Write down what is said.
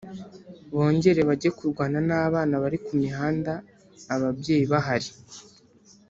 bongere bajye kurwana n’abana bari ku mihanda ababyeyi bahari